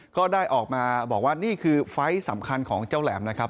ก็ได้ออกมาบอกว่านี่คือไฟล์สำคัญของเจ้าแหลมนะครับ